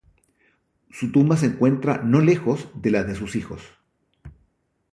Su tumba se encuentra no lejos de las de sus hijos.